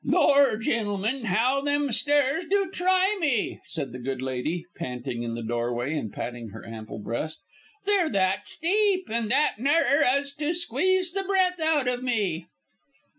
"Lor', gentlemen, how them stairs do try me!" said the good lady, panting in the doorway and patting her ample breast; "they're that steep and that narrer, as to squeeze the breath out of me."